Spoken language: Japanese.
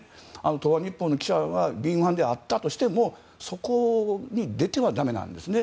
東亜日報の記者が敏腕であったとしてもそこに出てはだめなんですね。